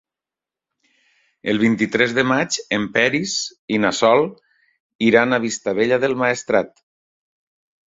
El vint-i-tres de maig en Peris i na Sol iran a Vistabella del Maestrat.